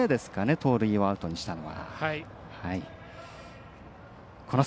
盗塁をアウトにしたのは。